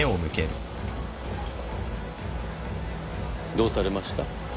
どうされました？